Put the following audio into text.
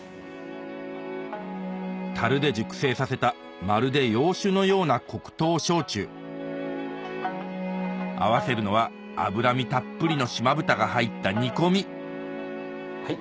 樽で熟成させたまるで洋酒のような黒糖焼酎合わせるのは脂身たっぷりの島豚が入った煮込みはい。